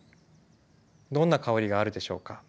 どんな香りがあるでしょうか？